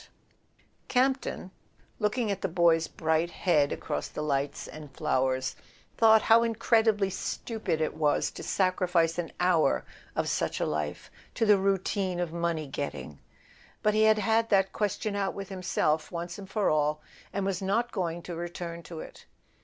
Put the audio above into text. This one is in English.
A SON AT THE FRONT Campton, looking at the boy's bright head across the lights and flowers, thought how incredibly stupid it was to sacrifice an hour of such a life to the routine of money getting; but he had had that question out with himself once for all, and was not going to return to it.